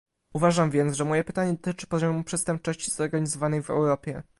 Uważam więc, że moje pytanie dotyczy poziomu przestępczości zorganizowanej w Europie